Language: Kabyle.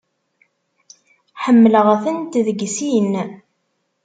Ḥemmleɣ-tent deg sin.